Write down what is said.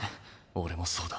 俺もそうだ。